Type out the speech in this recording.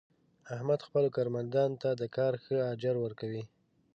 احمد خپلو کارمندانو ته د کار ښه اجر ور کوي.